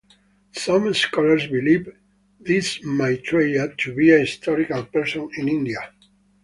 Some scholars believe this Maitreya to be a historical person in India.